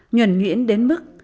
nhuẩn nhuyễn đến mức